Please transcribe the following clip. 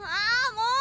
もう！